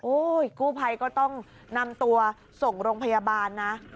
กู้ภัยก็ต้องนำตัวส่งโรงพยาบาลนะ